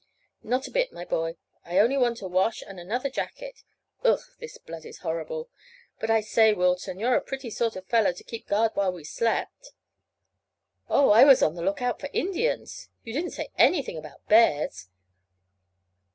"Not a bit, my boy; I only want a wash and another jacket. Ugh! This blood is horrible. But I say, Wilton, you're a pretty sort of a fellow to keep guard while we slept!" "Oh, I was on the lookout for Indians. You didn't say anything about bears.